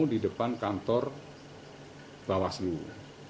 di depan kantor bawah seluruh